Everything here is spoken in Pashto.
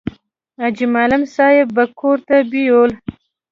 حاجي معلم صاحب به کور ته بېول.